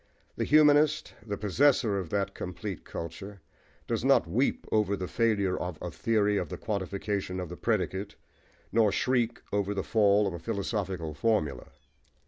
The humanist, the possessor of that complete culture, does not "weep" over the failure of "a theory of the quantification of the predicate," nor "shriek" over the fall of a philosophical formula.